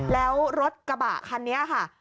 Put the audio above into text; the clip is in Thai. แล้วรถกระบะคันนี้ค่ะ